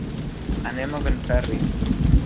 Anem a Benferri.